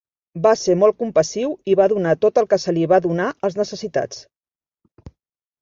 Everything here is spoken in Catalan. Va ser molt compassiu i va donar tot el que se li va donar als necessitats.